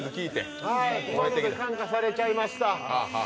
今ので感化されちゃいました。